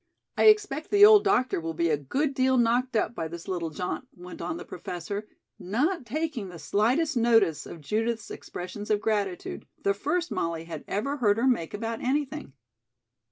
"I expect the old doctor will be a good deal knocked up by this little jaunt," went on the Professor, not taking the slightest notice of Judith's expressions of gratitude, the first Molly had ever heard her make about anything.